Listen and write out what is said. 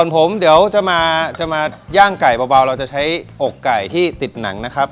ผมเดี๋ยวจะมาย่างไก่เบาเราจะใช้อกไก่ที่ติดหนังนะครับ